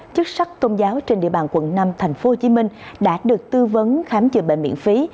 chức sắc tôn giáo trên địa bàn quận năm tp hcm đã được tư vấn khám chữa bệnh miễn phí